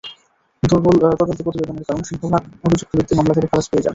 দুর্বল তদন্ত প্রতিবেদনের কারণে সিংহভাগ অভিযুক্ত ব্যক্তি মামলা থেকে খালাস পেয়ে যান।